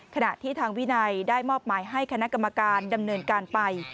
ขณะที่ทางวินัยได้มอบหมายให้คณะกรรมการดำเนินการไป